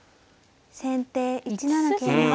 先手１七桂馬。